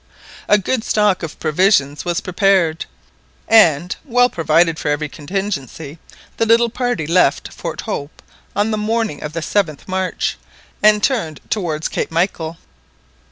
A good stock of provisions was prepared, and, well provided for every contingency, the little party left Fort Hope on the morning of the 7th March aid turned towards Cape Michael.